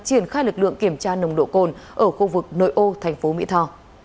triển khai lực lượng kiểm tra nồng độ cồn ở khu vực nội ô tp mỹ tho